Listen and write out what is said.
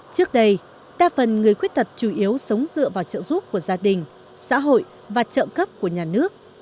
trước đây đa phần người khuyết tật chủ yếu sống dựa vào trợ giúp của gia đình xã hội và trợ cấp của nhà nước